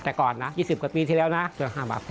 แต่ก่อนนะ๒๐กว่าปีที่แล้วนะเกือบ๕บาท